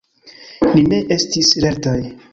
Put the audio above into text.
Ni ne estis lertaj.